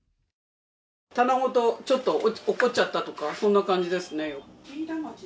棚ごと、ちょっとおっこっちゃったような、そんな感じですね。